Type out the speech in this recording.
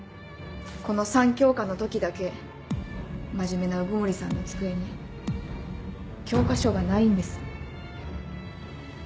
この３教科の時だけ真面目な鵜久森さんの机に教科書がないんです。